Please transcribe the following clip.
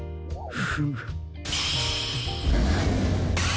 フム！